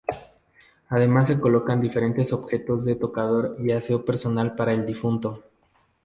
Además se colocan diferentes objetos de tocador y aseo personal para el difunto.